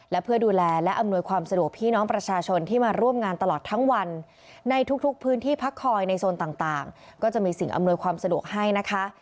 และเพื่อดูแลและอำนวยความสะดวกพี่น้องประชาชนที่มาร่วมงานตลอดทั้งวันในทุกพื้นที่พักคอยในโซนต่างก็จะมีสิ่งอำนวยความสะดวกให้นะคะ